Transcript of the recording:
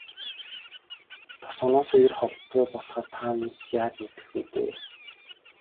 Тосгоноосоо ер холддоггүй болохоор та минь ч яаж мэдэх вэ дээ.